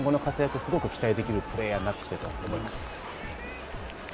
今後の活躍がすごい期待できるプレーヤーになってきたかと思います。